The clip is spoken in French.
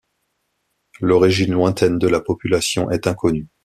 L'origine lointaine de la population est inconnue.